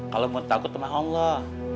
kalau mau takut sama allah